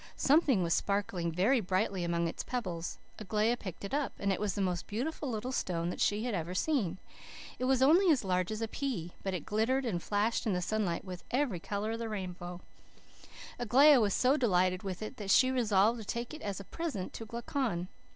Something was sparkling very brightly among its pebbles. Aglaia picked it up, and it was the most beautiful little stone that she had ever seen. It was only as large as a pea, but it glittered and flashed in the sunlight with every colour of the rainbow. Aglaia was so delighted with it that she resolved to take it as a present to Glaucon.